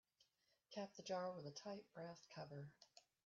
Cap the jar with a tight brass cover.